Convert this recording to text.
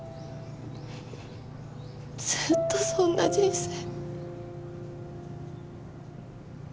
ずーっとそんな人生。